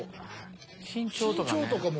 身長とかね。